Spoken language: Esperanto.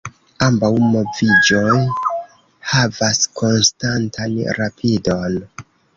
Ambaŭ moviĝoj havas konstantan rapidon.